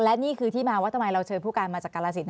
และนี่คือที่มาว่าทำไมเราเชิญผู้การมาจากกาลสิน